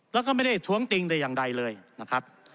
แล้วก็ไม่ได้ท้วงติงแต่อย่างใดเลยนะครับ